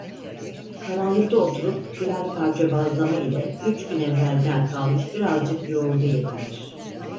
Karanlıkta oturup birer parça bazlama ile üç gün evvelden kalmış birazcık yoğurdu yediler.